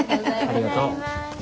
ありがとう。